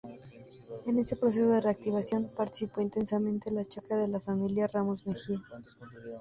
De ese proceso de reactivación participó intensamente la chacra de la familia Ramos Mejía.